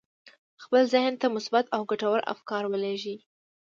خپل ذهن ته مثبت او ګټور افکار ولېږئ.